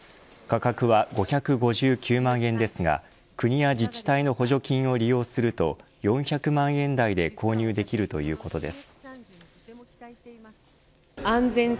価格は５５９万円ですが国や自治体の補助金を利用すると４００万円台で購入できるということです。